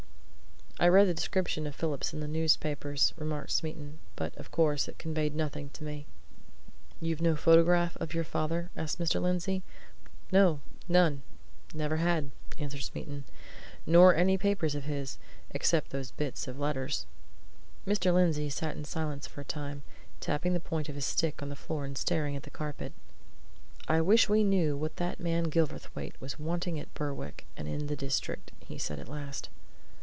"I read the description of Phillips in the newspapers," remarked Smeaton. "But, of course, it conveyed nothing to me." "You've no photograph of your father?" asked Mr. Lindsey. "No none never had," answered Smeaton. "Nor any papers of his except those bits of letters." Mr. Lindsey sat in silence for a time, tapping the point of his stick on the floor and staring at the carpet. "I wish we knew what that man Gilverthwaite was wanting at Berwick and in the district!" he said at last.